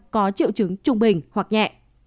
tám mươi chín có triệu chứng trung bình hoặc nhẹ